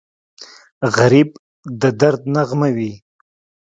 غریب د درد نغمه وي